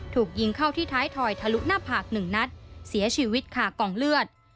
ถูกยิงเข้าที่ท้ายถอยทะลุหน้าผากหนึ่งนัดเสียชีวิตค่ะกองเลือด